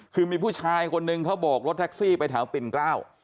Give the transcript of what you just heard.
คือมีผู้ชายคนนึงเขาโบกรถแท็กซี่ไปแถวปิ่นเกล้า